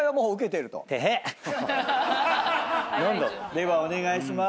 ではお願いします。